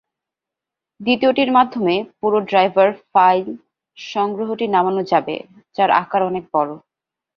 দ্বিতীয়টির মাধ্যমে পুরো driver file সংগ্রহটি নামানো যাবে, যার আকার অনেক বড়।